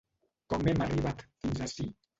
Com hem arribat fins ací?